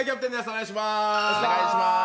お願いします。